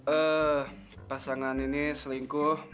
eh pasangan ini selingkuh